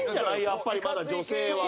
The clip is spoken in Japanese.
やっぱりまだ女性は。